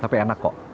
tapi enak kok